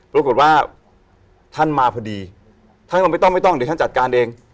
ปรากฏว่าท่านมาพอดีท่านก็ไม่ต้องไม่ต้องเดี๋ยวท่านจัดการเอง